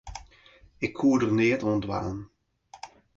Ik koe der neat oan dwaan.